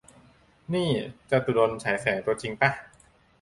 นี่ จาตุรนต์ ฉายแสง ตัวจริงป่ะ ?